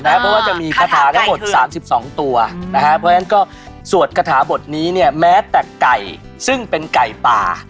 เพราะว่าจะมีคาถาทั้งหมด๓๒ตัวนะฮะเพราะฉะนั้นก็สวดคาถาบทนี้เนี่ยแม้แต่ไก่ซึ่งเป็นไก่ป่า